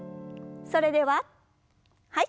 それでははい。